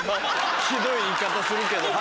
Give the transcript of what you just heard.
ひどい言い方するけど。